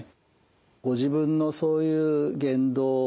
ご自分のそういう言動ですね